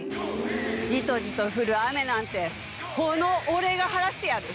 じとじと降る雨なんて、この俺が晴らしてやる。